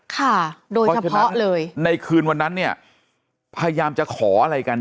ค่ะโดยเฉพาะเลยในคืนวันนั้นเนี่ยพยายามจะขออะไรกัน